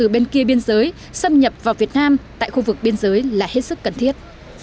đến khu vực biên giới xâm nhập vào việt nam tại khu vực biên giới là hết sức cần thiết